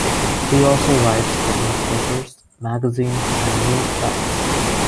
He also writes for newspapers, magazines and news sites.